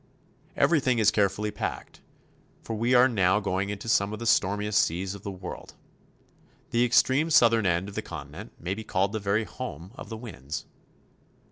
Everything is carefully packed, for we are now going into some of the stormiest seas of the world. The ex treme southern end of the continent may be called the very home of the winds.